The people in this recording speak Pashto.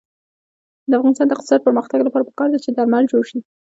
د افغانستان د اقتصادي پرمختګ لپاره پکار ده چې درمل جوړ شي.